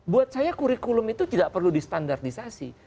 buat saya kurikulum itu tidak perlu di standartisasi